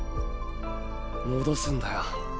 戻すんだよ。